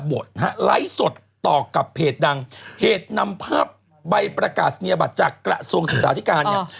ไลฟ์สดต่อกับเพจดังเหตุนำภาพใบประกาศนียบัตรจากกระทรวงศึกษาธิการเนี่ย